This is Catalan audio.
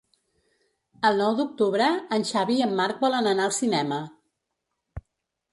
El nou d'octubre en Xavi i en Marc volen anar al cinema.